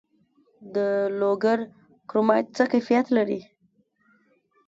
د لوګر کرومایټ څه کیفیت لري؟